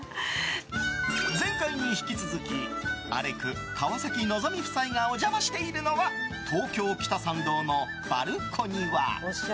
前回に引き続きアレク、川崎希夫妻がお邪魔しているのは東京・北参道のＢＡＬＣＯＮＩＷＡ。